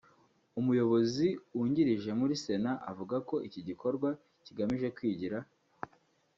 umuyobozi wungirije muri sena avuga ko iki gikorwa kigamije kwigira